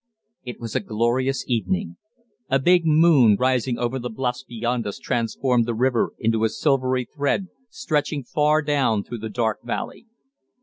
It was a glorious evening. A big moon rising over the bluffs beyond us transformed the river into a silvery thread stretching far down through the dark valley.